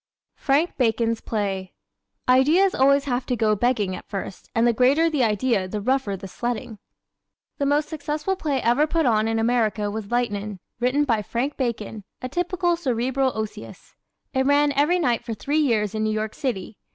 Frank Bacon's Play ¶ Ideas always have to go begging at first, and the greater the idea the rougher the sledding. The most successful play ever put on in America was "Lightnin'," written by Frank Bacon, a typical Cerebral Osseous. It ran every night for three years in New York City.